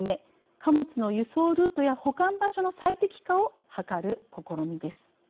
貨物の輸送ルートや保管場所の最適化を図る試みです。